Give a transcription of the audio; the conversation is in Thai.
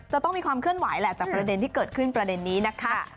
จะต้องมีความเคลื่อนไหวแหละจากประเด็นที่เกิดขึ้นประเด็นนี้นะคะ